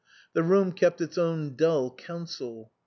The room kept its own dull counsel.